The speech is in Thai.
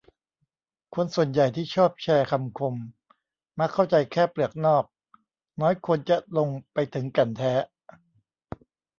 คนส่วนใหญ่ที่ชอบแชร์คำคมมักเข้าใจแค่เปลือกนอก น้อยคนจะลงไปถึงแก่นแท้